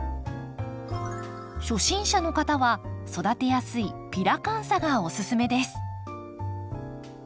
初心者の方は育てやすいピラカンサがおすすめです。